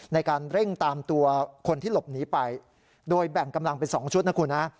ในการเร่งตามตัวคนที่หลบหนีไปโดยแบ่งกำลังเป็น๒ชุดนะคุณฮะ